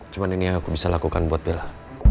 cuma ini yang aku bisa lakukan buat bela